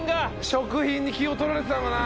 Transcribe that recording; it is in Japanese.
食品に気を取られてたのかな。